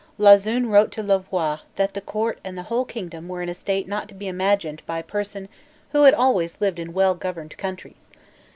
Lauzun wrote to Louvois that the Court and the whole kingdom were in a state not to be imagined by a person who had always lived in well governed countries.